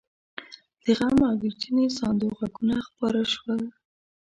د غم او ويرجنې ساندو غږونه خپاره شول.